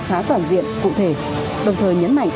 khá toàn diện cụ thể đồng thời nhấn mạnh